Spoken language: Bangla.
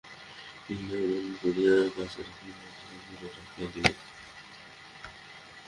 ইহাকে কেমন করিয়া কাছে রাখিব, অথচ দূরে রাখিয়া দিব?